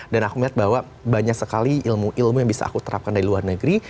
dan aku melihat bahwa banyak sekali ilmu ilmu yang bisa aku terapkan dari luar negeri